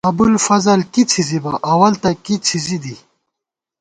ابُوالفضل کی څِھزِبہ، اول تہ کی څِھزِی دی